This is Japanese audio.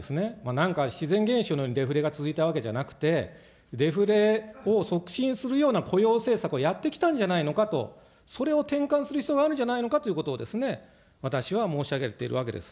なんか自然現象のようにデフレが続いたわけじゃなくて、デフレを促進するような雇用政策をやってきたんじゃないのかと、それを転換する必要があるんじゃないのかということを私は申し上げているわけです。